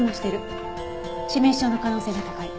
致命傷の可能性が高い。